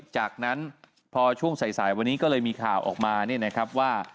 จากนั้นพอช่วงสายวันนี้ก็เลยมีข่าวออกมาเนี่ยนะครับว่า